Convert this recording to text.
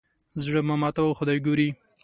زړه مه ماتوه خدای ګوري.